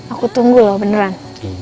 aku tunggu loh beneran